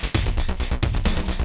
mereka pasti mau halangin gue